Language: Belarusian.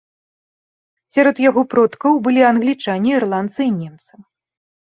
Сярод яго продкаў былі англічане, ірландцы і немцы.